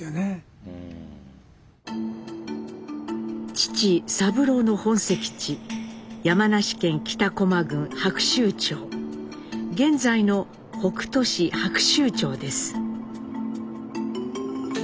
父三郎の本籍地山梨県北巨摩郡白州町現在の北杜市白州町です。